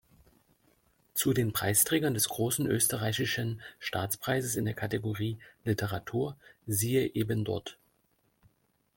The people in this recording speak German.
Zu den Preisträgern des Großen Österreichischen Staatspreises in der Kategorie "Literatur" siehe ebendort.